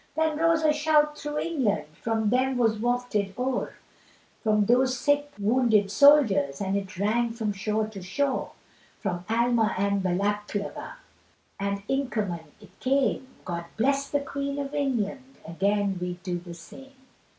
Then rose a shout through England, From them 'twas wafted o'er, From those sick wounded soldiers, And it rang from shore to shore; From Alma and Balaklava, And Inkerman it came, "God bless the Queen of England" Again we'd do the same.